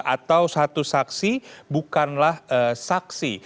atau satu saksi bukanlah saksi